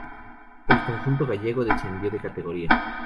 El conjunto gallego descendió de categoría.